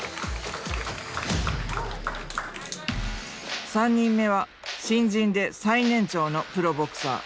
３人目は新人で最年長のプロボクサー。